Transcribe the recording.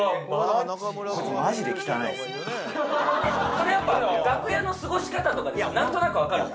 それやっぱ楽屋の過ごし方とかで何となく分かるの？